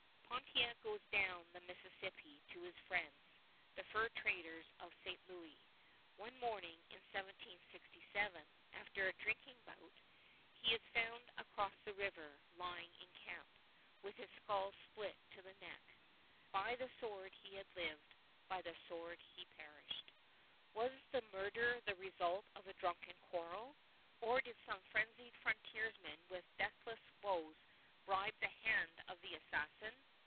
Pontiac goes down the Mississippi to his friends, the French fur traders of St. Louis. One morning in 1767, after a drinking bout, he is found across the river, lying in camp, with his skull split to the neck. By the sword he had lived, by the sword he perished. Was the murder the result of a drunken quarrel, or did some frenzied frontiersman with deathless woes bribe the hand of the assassin?